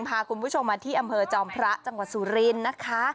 พาคุณผู้ชมมาที่อำเภอจอมพระจังหวัดสุรินทร์นะคะ